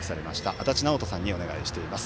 足達尚人さんにお願いしています。